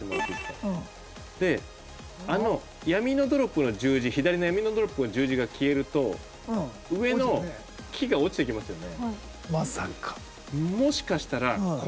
あの闇のドロップの十字左の闇のドロップの十字が消えると上の木が落ちてきますよね。